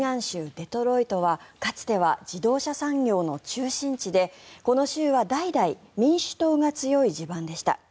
デトロイトはかつては自動車産業の中心地でこの州は代々民主党が強い地盤でした。